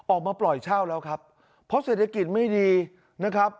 ออกมาปล่อยเช่าแล้วครับเพราะเศรษฐกิจไม่ดีนะครับ